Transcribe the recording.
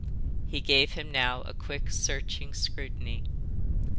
He gave him now a quick, searching scrutiny.